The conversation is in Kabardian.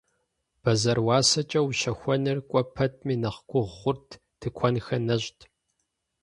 Бэзэр уасэкӀэ ущэхуэныр кӀуэ пэтми нэхъ гугъу хъурт, тыкуэнхэр нэщӀт.